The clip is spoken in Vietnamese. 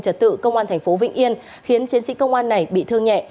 trật tự công an thành phố vĩnh yên khiến chiến sĩ công an này bị thương nhẹ